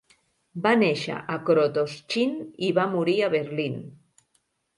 Va néixer a Krotoschin i va morir a Berlín.